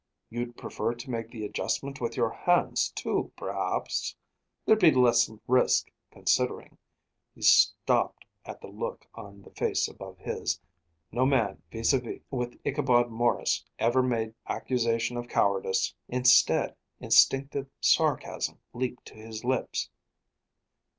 "You'd prefer to make the adjustment with your hands, too, perhaps? There'd be less risk, considering " He stopped at the look on the face above his. No man vis à vis with Ichabod Maurice ever made accusation of cowardice. Instead, instinctive sarcasm leaped to his lips.